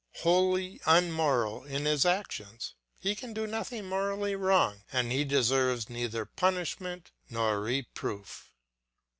Wholly unmoral in his actions, he can do nothing morally wrong, and he deserves neither punishment nor reproof.